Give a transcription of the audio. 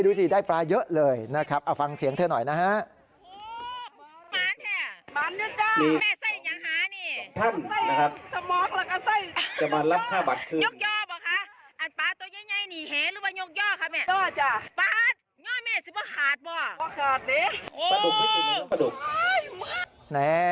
ดูสิได้ปลาเยอะเลยนะครับเอาฟังเสียงเธอหน่อยนะฮะ